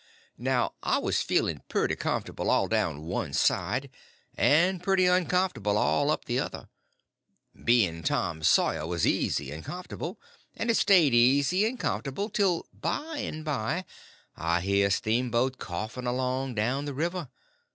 Now I was feeling pretty comfortable all down one side, and pretty uncomfortable all up the other. Being Tom Sawyer was easy and comfortable, and it stayed easy and comfortable till by and by I hear a steamboat coughing along down the river.